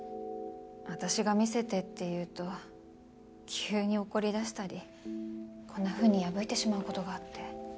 私が見せてって言うと急に怒りだしたりこんなふうに破いてしまう事があって。